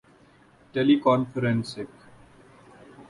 ٹیلی conferencing م